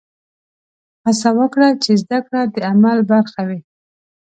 هڅه وکړه چې زده کړه د عمل برخه وي.